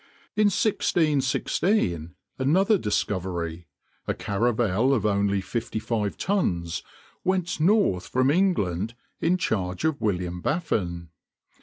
In 1616 another Discovery—a caravel of only fifty five tons—went north from England in charge of William Baffin.